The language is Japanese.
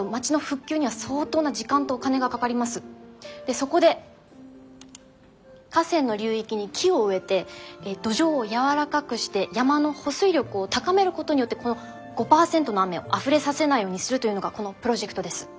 そこで河川の流域に木を植えて土壌を柔らかくして山の保水力を高めることによってこの５％の雨をあふれさせないようにするというのがこのプロジェクトです。